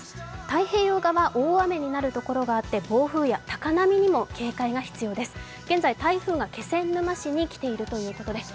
太平洋側、大雨になるところがあって暴風や高波にも警戒が必要です。